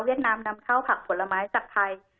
นามนำเข้าผักผลไม้จากไทย